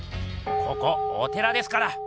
ここお寺ですから！